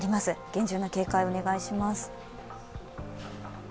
厳重な警戒をお願いします。